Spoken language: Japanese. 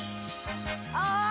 あ！